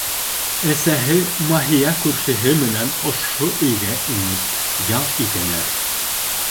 Әсәһе Маһия күршеһе менән ошо өйгә инеп ял итәләр.